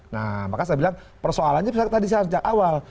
nah makanya saya bilang persoalannya bisa kita diserah sejak awal